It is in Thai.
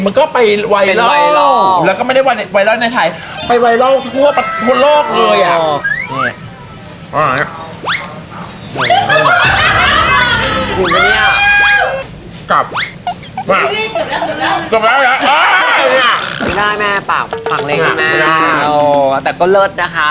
เกือบแล้วเกือบแล้วแม่แม่ปากแผงเลยนะแต่ก็เลิศนะคะ